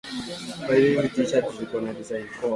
Ugonjwa wa ndigana kali hushambulia mfumo wa upumuaji wa ngombe